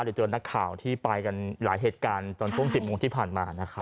หรือจนนักข่าวที่ไปกันหลายเหตุการณ์ตอนพรุ่ง๑๐โมงที่ผ่านมานะคะ